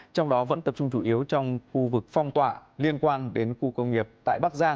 trong đó vẫn tập trung chủ yếu trong khu vực phong tỏa liên quan đến khu công nghiệp tại bắc giang